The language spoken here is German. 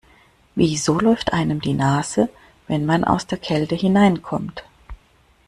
Wieso läuft einem die Nase, wenn man aus der Kälte hineinkommt?